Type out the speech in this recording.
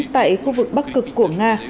tại khu vực bắc cực của nga